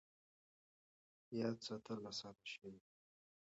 یاد ساتل اسانه شوي دي.